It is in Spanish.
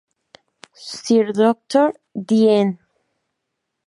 Sor Dr Dn.